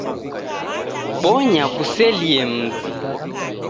Bonya kuselie mzi.